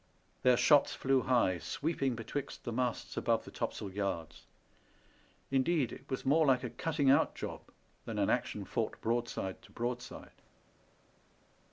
Their shots flew high, sweeping betwixt the masts above the topsail yards. Indeed, it was more like a cutting out job than an action fought broadside to broadside.